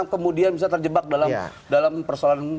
kemudian bisa terjebak dalam persoalan